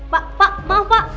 pak pak maaf pak